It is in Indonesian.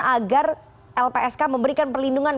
agar lpsk memberikan perlindungan